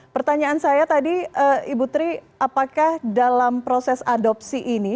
pertanyaan saya tadi ibu tri apakah dalam proses adopsi ini